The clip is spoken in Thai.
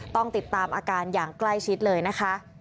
ต้องติดตามอาการอย่างใกล้ชิดเลยนะคะ